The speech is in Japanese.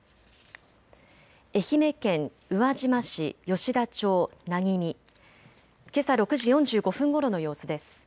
愛媛県宇和島市吉田町南君、けさ６時４５分ごろの様子です。